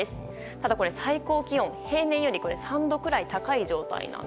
ただこれ、最高気温は平年より３度くらい高い状態。